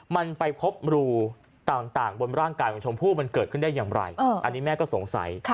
มันไปพบรูต่างบนร่างกายของชมพู่มันเกิดขึ้นได้อย่างไรอันนี้แม่ก็สงสัย